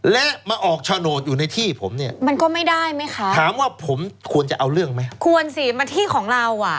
และมาออกโฉนดอยู่ในที่ผมถามว่าผมควรจะเอาเรื่องไหมควรสิมาที่ของเรา